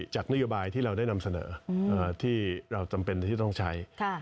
นโยบายที่เราได้นำเสนอที่เราจำเป็นที่ต้องใช้